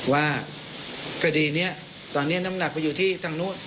ว่าคดีนี้ตอนนี้น้ำหนักไปอยู่ที่ทางนู้น